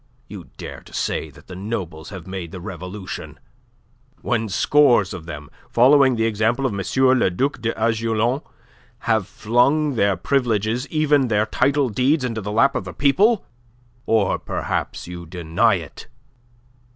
You dare to say that the nobles have made the revolution, when scores of them, following the example of M. le Duc d'Aiguillon, have flung their privileges, even their title deeds, into the lap of the people! Or perhaps you deny it?"